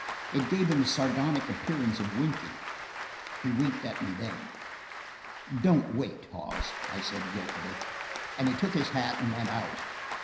It gave him a sardonic appearance of winking. He winked at me then. "Don't wait, Hawes," I said guiltily, and he took his hat and went out.